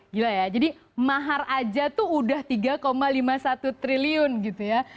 gila ya jadi mahar aja tuh udah tiga lima puluh satu triliun gitu ya